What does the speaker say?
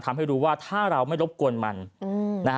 ทำให้รู้ว่าถ้าเราไม่รบกวนมันนะฮะ